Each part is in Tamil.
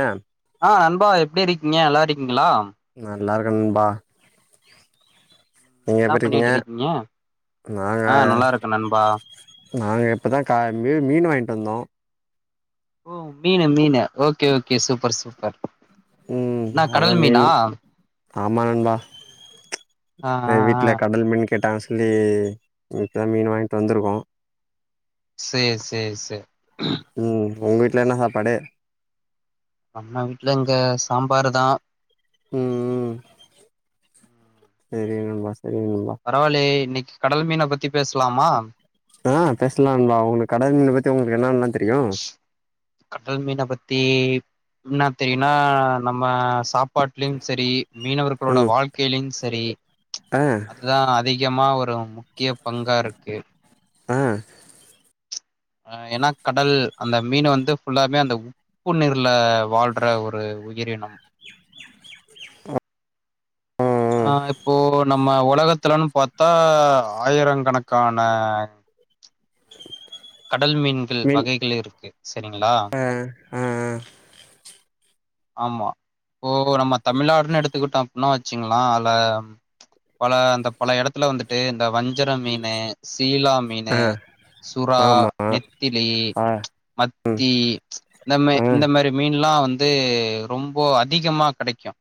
ஏன் ஆ நண்பா எப்படி இருக்கீங்க நல்லாருக்கீங்ளா நல்லா இருக்கே நண்பா நீங்க என்ன எப்டிருக்கீங்க பண்ணிட்டு இருக்கீங்க ஆ நாங்க நல்லா இருக்கே நண்பா நாங்க இப்பதான் கா மீ மீன் வாங்கிட்டு வந்தோம் ஓ மீனு மீனு ஓகே ஓகே சூப்பர் சூப்பர் ம் என்னா அதா கடல் மீன் மீனா ஆமா நண்பா ஆ ஆ ஆ வீட்டுல கடல் மீன் கேட்டாங்கன்னு சொல்லி இப்போ தான் மீன் வாங்கிட்டு வந்துருக்கோம் சேரி சேரி சேரி ம் உங்க வீட்ல என்ன சாப்பாடு அண்ணா வீட்டுல இங்க சாம்பாரு தான் உம் உம் சேரி நண்பா சரி நண்பா பரவாயில்லயே இன்னைக் கடல் மீனை பத்தி பேஸ்லாமா ஆஹ் பேசலாம் நண்பா உங்க கடல் மீன பத்தி உங்களுக்கு என்னென்ன ரியும் கடல் மீனை பத்தி என்ன தெரியும்னா நம்ம சாப் பாட்டிலும் சரி மீனவர்களோட ம் வாழ்க்கையிலும் சரி ஆ அதுதான் அதிக கா முக்கியமா ஒரு முக்கிய பங்கா இருக்கு ஆஹ் அஹ் ஏன்னா கடல் அந்த மீனை வந்து ஃபுல்லாமே அந்த உப்பு நீர்ல வாழ்ற ஒரு உயிரினம் உஹ் ஆஹ் இப்போ நம்ம உலகத்துல பத்தா ஆயிரம் கணக் கான கடல் மீன்கள் மீன் வகைகள் இருக்கு சரிங்களா ஆ ஆ ஆ ஆமா ஓ இப்போ நம்ம தமிழ்நாடுன்னு எடுத்துட்டோம் இன்னா வச்சுங்களாம் ஆள பல அந்த பல இடத்துல வந்துட்டு இந்த வஞ் வஞ்சர மீனு சீலா மீனு ஆ சுறா ஆமா நெத்திலி ஆ மத்தி இந்த ஆ இந்த மாரி மீன் எல்லாம் வந்து ரொம்ப அதிகமா கிடைக்கும்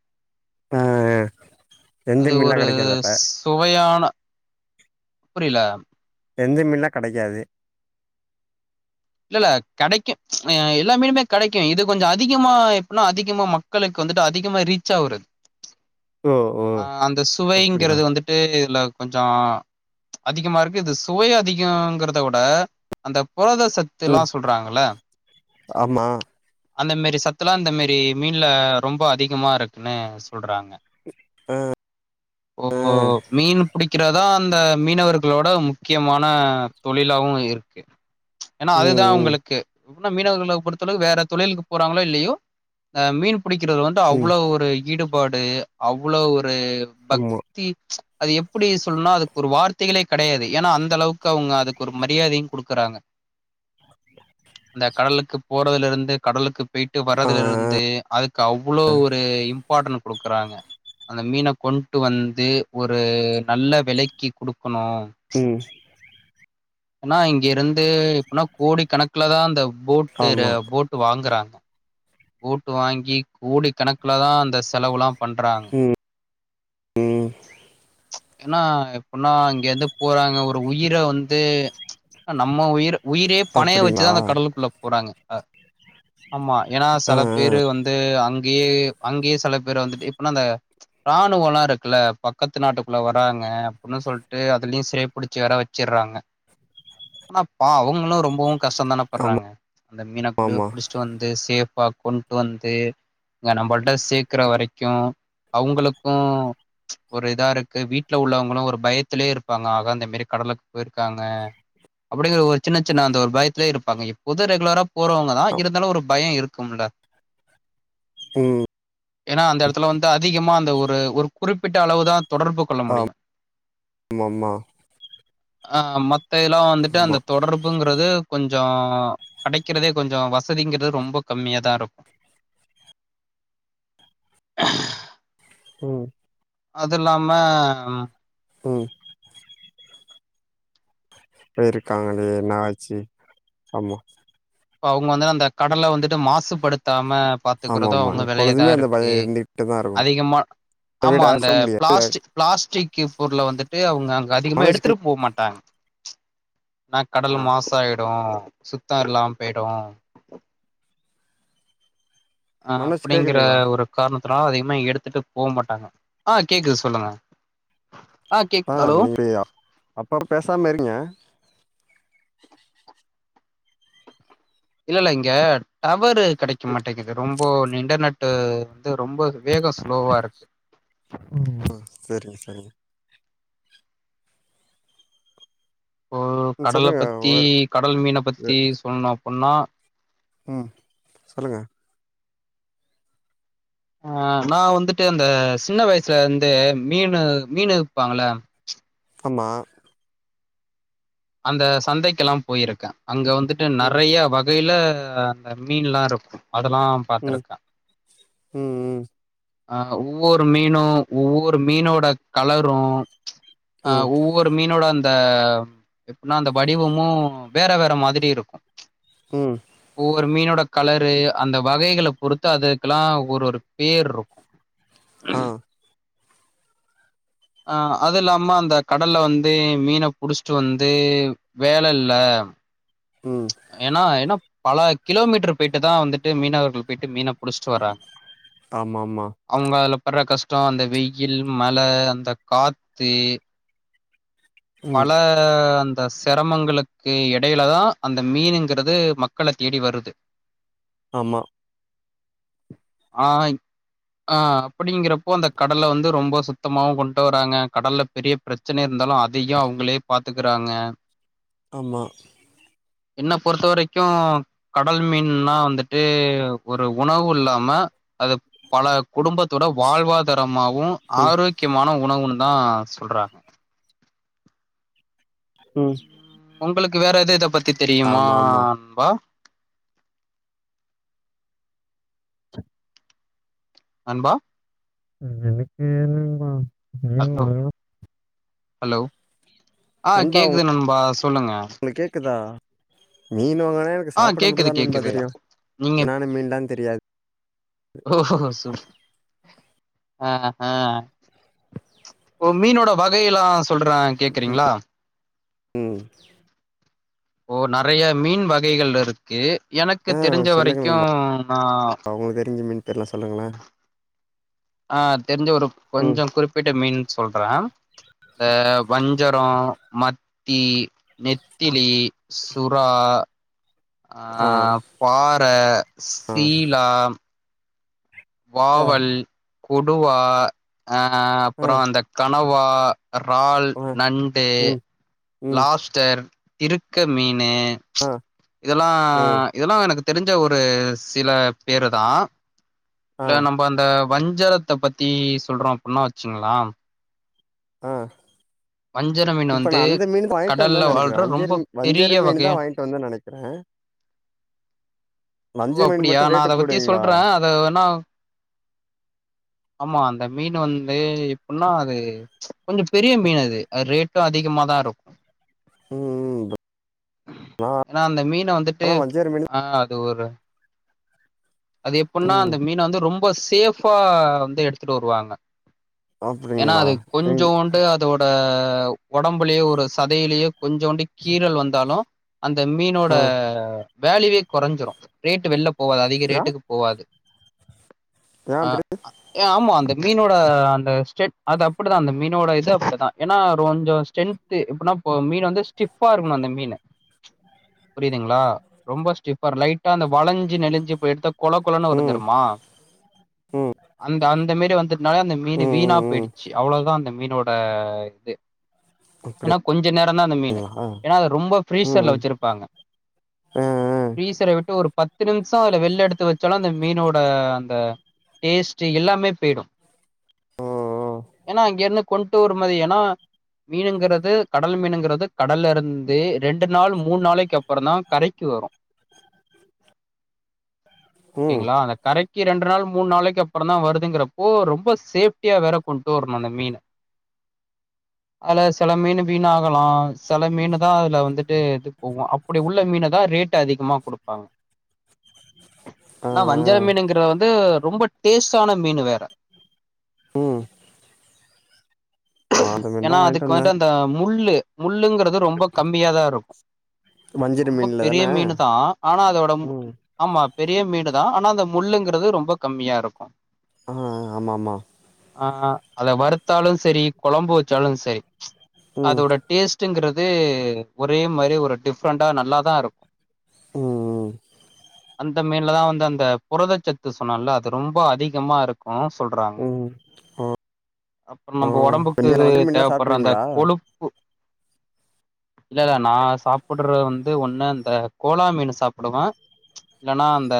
ஆஹ் எந்த மீன்லா ஒரு கெடைக்காது அப்ப சுவையான புரில எந்த மீன்லாம் கிடைக்காது இல்லல்ல கிடைக்கும்ஹ எல்லாமீனுமே கிடைக்கும் இது கொஞ்சம் அதிகமா எப்படின்னா அதிகமா மக்களுக்கு வந்துட்டு அதிகமா ரீச் ஆவுறது ஓ ஓ அஹ் அந்த அப்டியா சுவைங்கிறது வந்துட்டு இதுல கொஞ்சம் அதிகமா இருக்கு இது சுவை அதிகங்கிறதோட அந்த புரத ம் ல்லாம் சொல்றாங்கள ஆமா அந்த மாரி சத்துலாம் இந்த மாரி மீன்ல ரொம்ப அதிகமா இருக்குன்னு சொல்றாங்க ஓ ஆ மீன் புடி வக்கிறதா அந்த மீனவர்களோட முக்கியமான தொழிலாவும் இருக்கு ஏன்னா ம் அதுதான் ம் உங்களுக்கு னா மீனவர்களை பொறுத்தளவுக்கு வேற தொழிலுக்கு போறாங்களோ இல்லையோ அ மீன் புடிக்கிறது வந்து ம் அவ்வளவு ஒரு ஈடு பாடு அவ்வளவு ஒரு ஒரு ஆமா பக்தி அது எப்படி சொல்லனா அதுக்கு ஒரு வார்த்தைகளே கிடையாது ஏன்னா அந்த அளவுக்கு அவங்க அதுக்கு ஒரு மரியாதையும் குடுக்குறாங்க அந்த கடலுக்குப் போறதிலிருந்து கடலக்குப் போய் ட்டு ஆ ஆ வர்றதுல இருந்து அதுக்கு அவ்வளோ ஒரு ப்பாட்ட குடுக்குறாங்க அந்த மீனை கொண்டு வந்து ஒரு நல்ல விலைக்கு குடு குனும் ம் ஏன்னா இங்க இருந்து எப்பின்னா கோடி கணக்குலதான் அந்த போட்டுர ஆமா போட்டு வாங்குறாங்க போட்டு வாங்கி கோடி கணக்கல தான் அந்த செலவுலாம் பண்றாங்க ம் ம் ஏன்னா எப்படின்னா இங்க இருந்து போறாங்க ஒரு உயிரை வந்து நம்ம உயிர் உயிரே பனையம் அப்டிங்களா வச்சுதான் அந்த கடலுக்குள்ள போறாங்க அ ஆமா ஏன்னா ஆ சில ஆ பேரு வந்து அங் கே அங்கேயே சில பேர் வந்துட்டு இப்பனா அந்த ராணுவோல இருக்குல்ல பக்கத்து நாட்டுக்குள்ள வராங்க அப்புன்னு சொல்ட்டு அதுலயு சிறைப்புடிச்சி வற வெச்சிட்றாங்க ஆனா பாவும்ன்னு ரொம்பவு கஷ்டந்தான ஆமா பட்றாங்க அந்த மீன எப்டியோ ஆமா புடிச்சிட்டு வந்து சேஃபா கொண்டு வந்து இங்க நம்பல்ட சேர்க்குற வரைக்கு அவுங்களுக்கோ ஒரு இதா இருக்கு வீட்ல உள்ளவங்களும் ஒரு பயத்திலயே இருப்பாங்க ஆகா இந்த மேரி கடலுக் போயிருக்காங்க அப்டிங்கிற ஒரு சின்ன சின்ன அந்த ஒரு பயத்திலயே இருப்பாங்க இப்போது ரெகுலரா போறவங்க தா இருந்தாலு ஒரு பய இருக்கும்ல ம் ஏன்னா அந்த எடத்துல வந்து அதிகமா அ ந்த ஒரு ஒரு குறிப்பிட்ட அளவு தா தொடர்பு கொள்ள முடியு ஆமாமா ஆ ம த்தெல்லா வந்துட்டு ஆமா அந்த தொடர்புங்கிறது கொஞ்ச கிடைக்கிறதே கொஞ்ச வசதிங்கிற து ரொம்ப கம்மியாதா இரு ம் அதுல்லாம உம் போயிருக்காங்களையே என்ன ஆச்சு ஆமா அவுங்க வந்து அந்த கடல வந்துட்டு மாசுபடுத்தாம பாத்துக்கிறதோ ஆமாமா அவுங்க வேலையா தா எப்பொழுதுமே அந்த பய இருக்கு இருந்துகிட்டு தா இருக்கு அதிகமா அத விட ஆமா பேச அந்த முடியாது பிளாஸ்டி பிளாஸ்டிக் கீப்பூர்ல வந்துட்டு அவுங்க அதிகமா மனோஜ் எடுத்துரு கேக் போ மாட்டாங்க நா கடல் ஆ மாசு ஆயிடு சுத்த இருலாம் போயிடுவோ அ மனோஜ் அப்டிங்கற கேக்குதுங்களா ஒரு காரண ரா அதிகமா எடுத்துட்டு போ மாட்டாங்க ஆ கேக்குது சொல்லுங்க கேக் ஆ ஹலோ நீங்கயா அப்பா பேசாம இருங்க இல்லல்ல இங்க டவரு கிடைக்க மாட்டேங்குது ரொம்ப இன்டர்நெட் வந்து ரொம்ப வேக ஸ்லோவா இருக்கு ம் சரிங்க சரிங்க இப்போ ம் கடல சொல்லுங்க பத்தி ஒரு கடல் மீன பத்தி சொல்ணோ அப்புன்னா ம் சொல்லுங்க அ நா வந்துட்டு அந்த சின்ன வயசுல இருந்தே மீனு மீனு விப்பாங்கள ஆமா அந்த சந்தைக்கெல்லா போயிருக்க அங்க வந்துட்டு ம் நறைய வகையில அ அந்த மீன்லா இருக்கு அதெலா ம் பாத்துருக்க ம் ம் அஹ் ஒவ்வொரு மீனும் ஒவ்வொரு மீனோட கலரும் ஆஹ் ம் ஒவ்வொரு மீனோட அந்த அ எப்பின்னா அந்த வடிவமும் வேற வேற மாதிரி இருக்கும் ம் ஒவ்வொரு மீனோட கலரு அந்த வகைகளை பொறுத்து அதுக்கெலாம் ஒரு ஒரு பேர் இருக்கும் ஆ அஹ் அது இல்லாம அந்த கடல்ல வந்து மீனை புடிச்சிட்டு வந்து வேலை இல்ல ம் ஏனா என்னப் பல கிலோமீட்டர் போய்ட்டு தான் வந்துட்டு மீனவர்கள் போயிட்டு மீனை பிடிச்சிட்டு வராங்க ஆமா ஆமா ப்படுற கஷ்டம் அந்த வெயில் மழ அந்த காத்து ம் பல அந்த சிரமங்களுக்கு எடையில தான் அந்த மீனுங்கிறது மக்களை தேடி வருது ஆமா ஆஹ் ஆஹ் அப்டிங்கிறப்போ அந்த கடலை வந்து ரொம்ப சுத்தமாவும் கொண்டு வராங்க கடல்ல பெரிய பிரச்சனை இருந்தாலும் அதையும் அவுங்களே பாத்துக்றாங்க ஆமா என்ன பொறுத்த வரைக்கும் கடல் மீன்னா வந்துட்டு ஒரு உணவு இல்லாம அது பல குடும்பத்தோட வாழ்வாதாரமாகவும் ஆரோக்கியமான உணவுன்னு தான் சொல்றாங்க ம் உங்களுக்கு வேற எது இதை பத்தி ஆமா ஆமா தெரியுமாபா அன்பா எனக்கு என்னன்பா உம் ஹலோ ஆ ஹலோ ஆஹ் கேக்குது நம்பா சொல்லுங்க உங்களுக்கு கேக்குதா மீன் வாங்க ஆஹ் கேக்குது கேக்குது நீங்க என்னான மீன்லா தெரியாது ஓ அஹ் ஹ் மீனோட வகையெல்லாம் சொல்றன் கேக்குறீங்களா உம் இப்போ நறைய மீன் வகைகள் இருக்கு எனக்கு ஆ தெரிஞ்ச சொல்லுங்க வரைக்கும் நண்பா நான் உங்களுக்கு தெரிஞ்ச மீன் பேர்லா சொல்லுங்களே ஆஹ் தெரிஞ்ச ஒரு ம் கொஞ்சம் குறிப்பிட்ட மீன் சொல்றன் இந்த வஞ்சரம் மத்தி நெத்திலி சுறா ஆ ஆஹ் பாறை ஆ சீலா ஆ வாவல். கொடுவா. ஆஹ ஆ அப்புறோ அந்தக்கா. கனவா. இறால், ஆ நண்டு. ம் ம் லாப்ஸ்டர். திருக்க மீன். ன்னு ம்ச். ஆ இதெல்லா ம் இதெல்லா எனக்கு. தெரிஞ்ச ஒரு சில பேருதா. ஆ இல்ல நம்ம அந்த. வஞ்சரத்த பத்தி சொல்றோ அப்படின்னா வச்சக்கங்களே. ஆஹ. வஞ்சர மீன் வந்து கடல்ல வந்தேன்னு நெனைக்கிறே வாழ்ற வஞ்சர ரொம்ப வஞ்சர பெரிய மீன் தா வகையான. வாங்கிட்டு வந்தேன்னு நெனைக்கிறே ஓ வஞ்சர மீன் அப்படியா மட்டு நா ரேட்டு அத பத்தி கூடுங்களா சொல்ற அத வேணா. ஆமா அந்த மீன் வந்து எப்படின்னா அது ம்ச் கொஞ்சோ பெரிய மீன் அது அது ரேட்டு அதிகமாதா இருக்கு. உம்ம் ப்ரோ. ஏன்னா அந்த மீன். வந்துட்டு வஞ்சர மீன் ஆஹ அது ஒரு. அது எப்புடின்னா அந்த ம் மீன் வந்து ரொம்ப சிஸ். சேஃபா வந்து எடுத்துட்டு வருவாங்க. ஏன்னா அப்டிங்களா அது ம் கொஞ்சூண்டு அதோட. உடம்புலயோ ஒரு சதையிலயோ. கொஞ்சூண்டு கீரல் வந்தாலு. அந்த மீனோட. ஆ வேல்யூவே குறஞ்சுறு ரேட்டு வெள்ல. போகாது அதிக ஏ ரேட். போகாது. ஏ அஹ அப்டி ஏ ஆமா அந்த. மீனோட அந்த ஸ்டென் அது அப்படிதா அந்த மீனோட இது அப்படிதா ஏன்னா கொஞ்ச ஸ்ட்ரென்து எப்பின்னா இப்ப மீனு வந்து ஸ்டிஃபா இருக்கணு அந்த மீனு. புரியுதுங்களா ரொம்ப ஸ்டிஃபா லைட்டா அந்த வளைஞ்சு நெஞ்சு போயி எடுத்தா. கொல கொலன்னு ம் வந்துருமா. ம் அந்த அந்த மாரி வந்ததுனால அந்த மீனு ம் வீணா ம் ம் போயிடுச்சு அவ்வளோவுதா அந்த. மீனோட இது. ஏன்னா கொஞ்ச நேரந்தா அந்த மீனு. அப்டிங்களா ஏன்னா அது ரொம்ப பிரீசர்ல ம் வச்சிருப்பாங்க. ஆ ஆ ப்ரீஸ்சர விட்டு ஒரு பத்து நிம்ஷோ அதுல வெள்ள எடுத். த்து வச்சாலு அந்த மீனோட அந்த டேஸ்ட் எல்லாமே போய்டு. ஓ ஏன்னா அங்கிருந்து கொண்டு வர மாரி ஏன்னா மீனுங்கிறது கடல் மீனுங்கிறது கடலெருந்து ரெண்டு நாள் மூணு நாளைக்கு அப்புறதா கரைக்கு வரு. ஓ ம் ஓகேங்களா அந்த கரக். கி ரெண்டு நாள் மூணு நாளைக்கு அப்புற தான் வருதுங்குறப்போ ரொம்ப சேப்டியா வேற கொண்டு வரணு அந்த மீன் அதுல செல மீனு வீன் ஆகலாம் செல மீனு தான் அதுல வந்துட்டு இது போவு அப்டி உள்ள மீனதான் ரேட்டு் அதிகமா குடுப்பாங்க ஆ ஏன்னா வஞ்ஜர ஆ மீனுங்கற வந்து ரொம்ப டேஸ்டான மீனு வேற ம் நா அந்த மீன் தா ஏன்னா வாங்கிட்டு அதுக்கு வந்தே வந்துட்டு அந்த முள்ளு முள்ளுங்குறது ரொம்ப கம்மியாதான் இருக்கும் வஞ்சர ரொம்ப மீன்ல பெரிய தான மீனுதான் ஆனா அதோட ம் ஆமா பெரிய மீடுதான் ஆனா அந்த முள்ளுங்குறது ரொம்ப கம்மியாருக்கும் உம் உம் ஆமா ஆமா ஆஹ் அத வருத்தாலு செரி குழம்பு வச்சாலு செரி ச் ம் அதோட டேஸ்டுங்கிற த்து ஒரே மாரி ஒரு டிஃப்ரெண்டா நல்லாதான் இருக்கு ம்ம் அந்த மீன்ல தான் வந்து அந்த புரதச்சத்து சொன்னல அது ரொம்ப அதிகமா இருக் கும் சொல்றாங்க ம் அப்புறம் நம்ம ஆ ஒடம்புக்கு நீங்க அந்த வஞ்சர மீன்லா தேவப்படுற அந்த சாப்ட்ருக்கீங்களா கொழுப்பு இல்லல்ல நான் சாப்டுற வந்து ஒண்ணு அந்த கோலா மீனு சாப்டுவேன் இல்லனா அந்த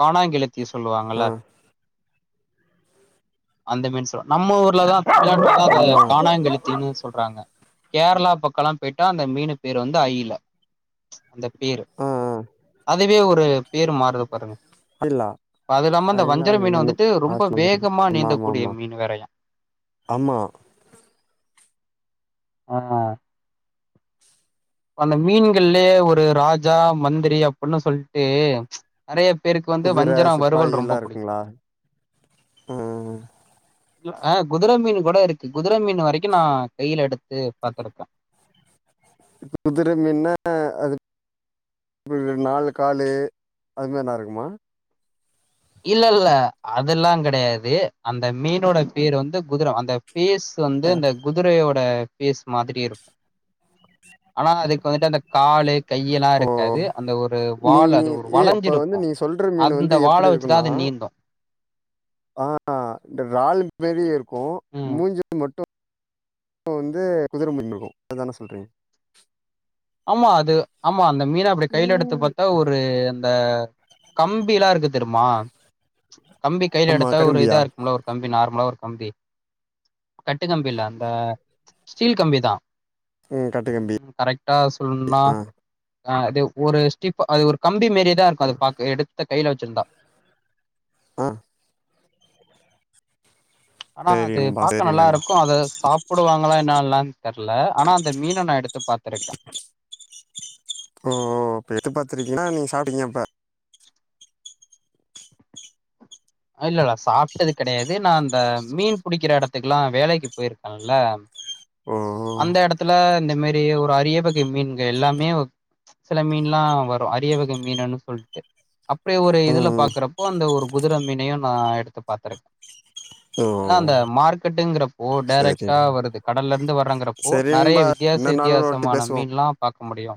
காணாங்கெழு த்தி சொல்லுவாங்கள ஆ அந்த மீன் சொ நம்ம ஊர்லதான் ஆமா காணாங்கெலுதீனு சொல்றாங்க கேரளா பக்கலா பேய்ட்டா அந்த மீனு பேர் வந்து அயில அந்த பேரு ஆ வே ஒரு பேரு மாறுது பாருங்க ஆ இல்ல அது இல்லாம அந்த இல்ல வஞ்சர இல்ல மீனு இன்னு வந்துட்டு ரொம்ப பாட்ல தா இருக்கு வேகமா ஆமா ஆமா நீந்தக்கூடிய ஆமா மீனு வேறயா ஆமா ஆஹ் அந்த மீன்கள்லே ஒரு ராஜா மந்திரி அப்டுன்னு சொல்டு நெறய குதிர சிப்பாயிலாம் இருக்குங்ளா உம் ஆஹ் குதிர மீனு கூட இருக்கு குதிர மீனு வரைக்கும் நான் கைல எடுத்து பாத்திருக்கேன் குதிர மீனா அது நாலு காளு அது மாரிலா இருக்குமா இல்ல இல்ல அதெல்லாம் கெடையாது அந்த மீனோட பேரு வந்து குதிர அந்த பேஸ் வந்து அ அந்தக் குதிரயோட பேஸ் மாதிரி இருக் ஆனா அதுக்கு வந்துட்டு அந்த காளு கையிலாம் ஓ இருக்காது அந்த ஒரு நீ வால் நீ அது ஒரு ஏ அப்ப வந்து வளஞ்சிருக்கோ நீ சொல்ற மீன் அந்த வந்து வாள வச் தாது நீந்தோம் ஆஹ் இந்த வால் மெரி இருக்கும் ம் மூஞ்சில மட்டும் வந்து குதிர முகம் அதுதானே சொல்றீங்க ஆமா அது ஆம் அந்த மீன் அப்படி கையில எடுத்து ம் பார்த்தா ஒரு அந்த த கம்பி எல்லா இருக்கு தெரியுமா. கம்பி கையில ஆமா எடுத்தா ஒரு கரும்பியா இதா இருக்கும்ல ஒரு கம்பி நார்மலா ஒரு. கம்பி கட்டு கம்பில்ல அந்த ஸ்டீல் கம்பிதா. உம் கட்டு கம்பி. டா சொல்லுனும்னா. அ டே ஒரு ஸ்டிப் அது ஒரு கம். கம்பி மேறியாதா இருக்க அது பாக்க எடு. த்து கையில வச்சிருந்தா. ஆஹ. ஆனா சேரி அது நண்பா பாக்க சேரி நல்லா நண்பா இருக்கு அத சாப்புடுவாங்களா என்னன்ல்லான்னு தெர்ல ஆனா அந்த மீன நா எடுத்து பாத்துருக்க. ஓ ப்ப. இல்லில்ல சாப்ட்டது கெடையாது நா அந்த மீன் புடிக்கிற எடத்துக்குல்லா வேலைக்கு போயிருக்கன்ல்ல. ஓ அந்த எடத்துல. இந்த மேரி ஒரு அரிய வகை மீன்கள் எல்லாமே சில மீன்ல்லா வரு அரிய வகை மீன்ன்னு சொல்லிட்டு. அப்படியே ஒரு இதுல ம் பாக்குறப்போ அந்த ஒரு குதிர மீனையு நா எடுத்து பாத்திருக்க. ஓ ஆனா அந்த மார்க்கெட்டுங்கறப். ஓ சேரி டேரெக்டா நண் வருது கடல இருந்து வர்றங்க. இப்போ சேரி நறைய நண்பா வித்தியாச இன்னொரு நாள் ஒரு வாட்டி வித்தியாசமான மீன்லாம் பாக். முடியு.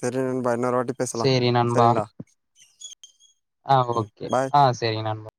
சேரி நண்பா. இன்னொரு வாட்டி பேசலா சேரி நண்பா. சரிங்களா ஆஹ ம் ஓக்கே பாய் ஆஹ சேரி நண்பா.